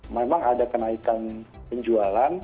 memang ada kenaikan penjualan